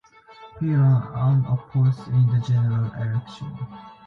He ran unopposed in the general election.